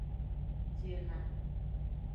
Ji eha.